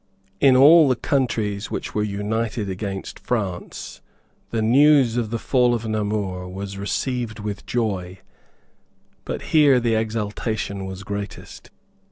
In all the countries which were united against France the news of the fall of Namur was received with joy; but here the exultation was greatest.